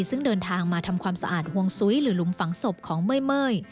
ซึ่งเดินทางมาทำความสะอาดห่วงซุ้ยหรือหลุมฝังศพของเมื่อย